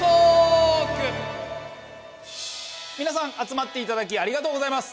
みなさん集まっていただきありがとうございます。